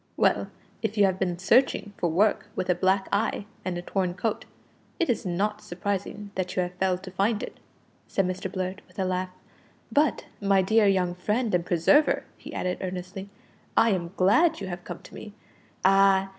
"Well, if you have been searching for work with a black eye and a torn coat, it is not surprising that you have failed to find it," said Mr Blurt, with a laugh. "But, my dear young friend and preserver," he added earnestly, "I am glad you have come to me. Ah!